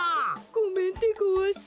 ごめんでごわす。